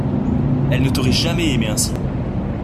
Elle ne t’aurait jamais aimée ainsi !